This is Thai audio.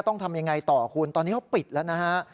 ต้องทำยังไงต่อคุณตอนนี้เขาปิดแล้วนะฮะ